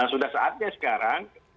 sudah saatnya sekarang